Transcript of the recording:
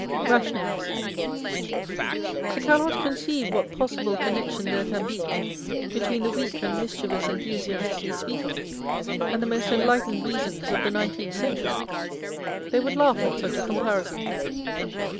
nationalist. I cannot conceive what possible connection there can be between the weak and mischievous enthu siasts you speak of, and the most enlightened reasoners of the nineteenth century. They would laugh at such a comparison.